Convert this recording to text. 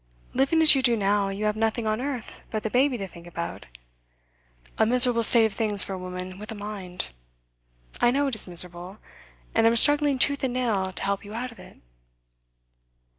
Living as you do now, you have nothing on earth but the baby to think about a miserable state of things for a woman with a mind. I know it is miserable, and I'm struggling tooth and nail to help you out of it.